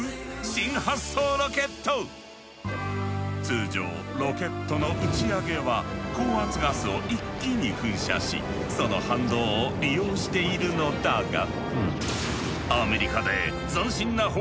通常ロケットの打ち上げは高圧ガスを一気に噴射しその反動を利用しているのだが。